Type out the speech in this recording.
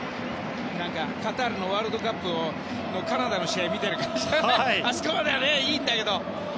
カタールワールドカップのカナダの試合を見ている感じであそこまではいいんだけど。